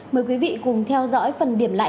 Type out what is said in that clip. mời quý vị cùng theo dõi phần điểm lại